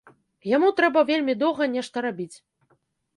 Яму трэба вельмі доўга нешта рабіць.